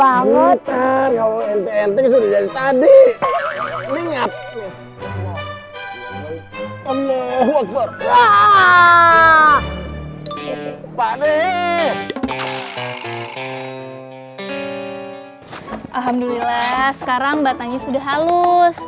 wah alhamdulillah sekarang batangnya sudah halus